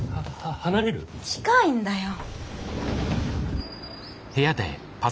近いんだよ。